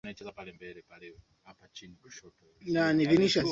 kusaidia yale na kupunguza mzigo wako kama deni na huko madagascar majeshi yasema kwamba